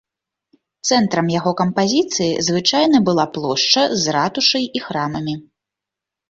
Цэнтрам яго кампазіцыі звычайна была плошча з ратушай і храмамі.